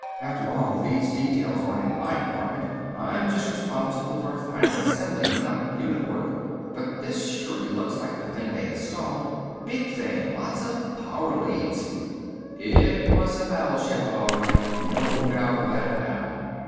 After all these details aren't in my department, I'm just responsible for final assembly, not unit work. But this surely looks like the thing they installed. Big thing. Lots of power leads " It was a battleship all right, no doubt of that now.